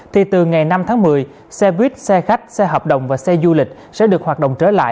thì từ ngày năm tháng một mươi xe buýt xe khách xe hợp đồng và xe du lịch sẽ được hoạt động trở lại